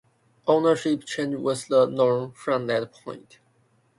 Ownership change was the norm from that point.